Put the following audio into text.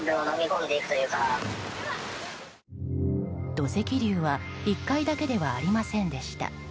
土石流は１回だけではありませんでした。